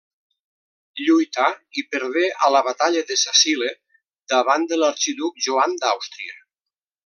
Lluità i perdé a la Batalla de Sacile davant de l'arxiduc Joan d'Àustria.